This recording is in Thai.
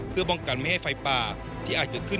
เพื่อป้องกันไม่ให้ไฟป่าที่อาจเกิดขึ้น